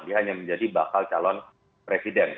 dia hanya menjadi bakal calon presiden